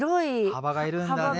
幅がいるんだね。